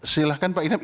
silakan pak idam